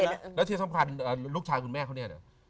แล้วสิ่งที่สำคัญลูกชายคุณแม่เขา